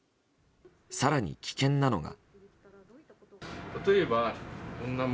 更に危険なのが。